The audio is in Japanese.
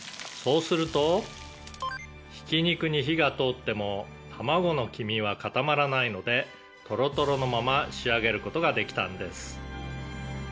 「そうするとひき肉に火が通ってもたまごの黄身は固まらないのでトロトロのまま仕上げる事ができたんです」